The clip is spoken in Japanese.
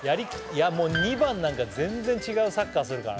いやもう２番なんか全然違うサッカーするからね